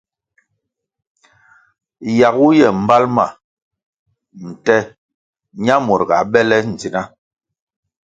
Yagu ye mbali ma nte ñamur ga be be le ndzna.